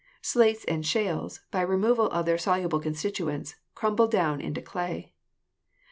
Slates and shales, by removal of their soluble constituents, crumble down into clay.